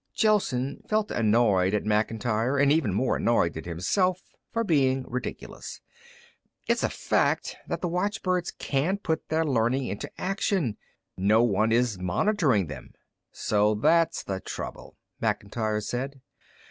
Gelsen felt annoyed at Macintyre, and even more annoyed at himself for being ridiculous. "It's a fact that the watchbirds can put their learning into action. No one is monitoring them." "So that's the trouble," Macintyre said.